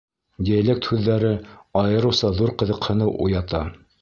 Диалект һүҙҙәре айырыуса ҙур ҡыҙыҡһыныу уята.